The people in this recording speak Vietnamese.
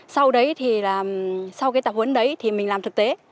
sau đấy thì là sau cái tập huấn đấy thì mình làm thực tế